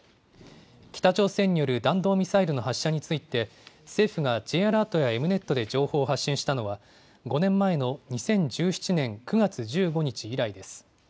北朝鮮による弾道ミサイルの発射について、政府がＪアラートやＥｍ−Ｎｅｔで情報を発信したのは、５年前の２０１７年９月１５日以来です。